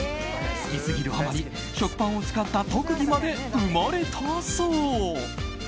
好きすぎるあまり食パンを使った特技まで生まれたそう。